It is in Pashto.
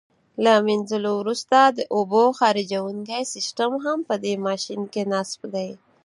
له منځلو وروسته د اوبو خاروونکی سیسټم هم په دې ماشین کې نصب دی.